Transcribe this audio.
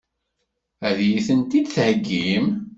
Ad iyi-tent-id-theggim?